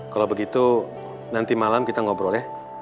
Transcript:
kalau begitu nanti malam kita ngobrol ya